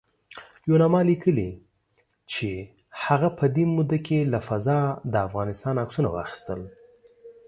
یوناما لیکلي چې هغه په دې موده کې له فضا د افغانستان عکسونه واخیستل